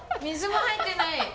水も入ってない。